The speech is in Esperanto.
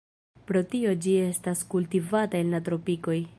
Pro tio ĝi estas kultivata en la tropikoj.